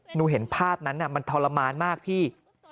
หนูเห็นภาพนั้นมันทรมานมากพี่